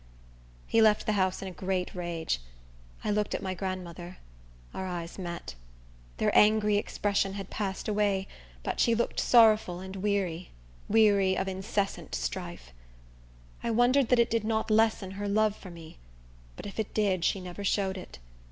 He left the house in a great rage. I looked at my grandmother. Our eyes met. Their angry expression had passed away, but she looked sorrowful and weary—weary of incessant strife. I wondered that it did not lessen her love for me; but if it did she never showed it.